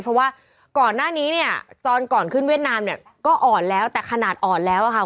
เพราะว่าก่อนหน้านี้เนี่ยตอนก่อนขึ้นเวียดนามเนี่ยก็อ่อนแล้วแต่ขนาดอ่อนแล้วอะค่ะ